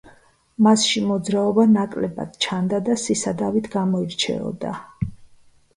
მასში მოძრაობა ნაკლებად ჩანდა და სისადავით გამოირჩეოდა.